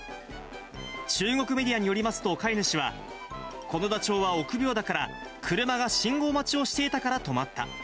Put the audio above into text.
中国メディアによりますと、飼い主は、このダチョウは臆病だから、車が信号待ちをしていたから止まった。